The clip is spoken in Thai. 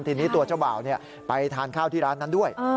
ทีนี้ตัวเจ้าบ่าวไปทานข้าวที่ร้านนั้นด้วย